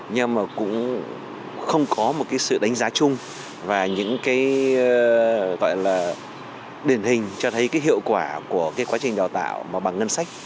nhưng mà cũng không có một sự đánh giá chung và những điển hình cho thấy hiệu quả của quá trình đào tạo bằng ngân sách